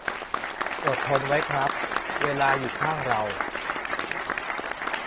อดทนไว้ครับ เวลาอยู่ข้างเรา